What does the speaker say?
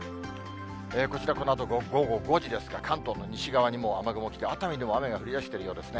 こちら、このあと午後５時ですが、関東の西側にもう雨雲が来て、熱海にも雨が降りだしてるようですね。